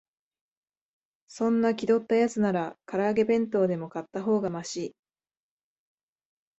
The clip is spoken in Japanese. そんな気取ったやつなら、から揚げ弁当でも買ったほうがマシ